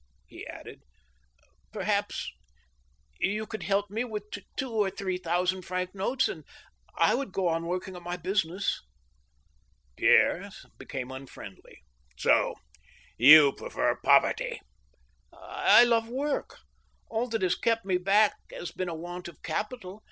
he added, "perhaps you could help me with two or three thousand franc notes, and I would go on working at my business." Pierre became unfriendly. " So you prefer poverty ?"" I love work. All that has kept me back has been a want of capital.